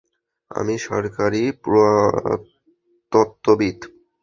আমি সরকারি পুরাতত্ত্ববিদ।